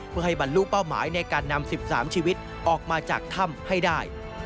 เพื่อให้บรรลุเป้าหมายในการนำ๑๓ชีวิตออกมาจากถ้ำให้ได้